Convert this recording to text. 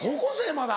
まだ。